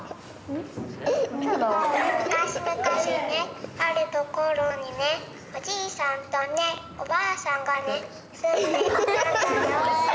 昔々ねあるところにねおじいさんとねおばあさんがね住んでいたんだよ。